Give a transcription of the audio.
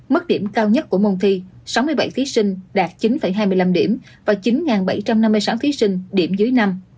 mức điểm cao nhất của môn thi sáu mươi bảy thí sinh đạt chín hai mươi năm điểm và chín bảy trăm năm mươi sáu thí sinh điểm dưới năm